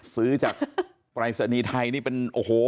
ซื้อจากปรายศนีย์ไทยนี่เป็นโอ้โห